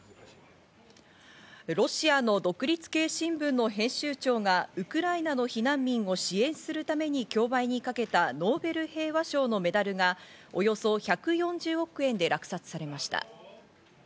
ロシアの独立系新聞の編集長がウクライナの避難民を支援するために競売にかけたノーベル平和賞のメダルがおよそ１４０億円で落札されました。